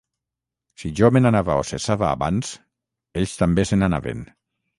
Si jo me n’anava o cessava abans, ells també se n’anaven.